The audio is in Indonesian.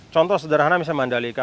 contoh sederhana bisa mandalika